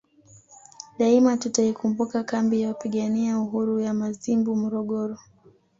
Daima tutaikumbuka kambi ya Wapigania Uhuru ya Mazimbu Morogoro